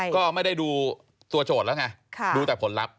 ก็ไม่ได้ดูตัวโจทย์แล้วไงดูแต่ผลลัพธ